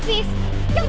itu dia si habis